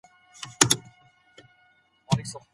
مو لاندی ايښی دی، تر څو رڼا پر واچوو: